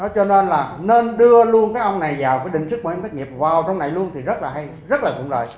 cho nên là nên đưa luôn các ông này vào cái định sức bảo hiểm thất nghiệp vào trong này luôn thì rất là hay rất là thượng rời